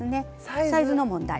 サイズの問題。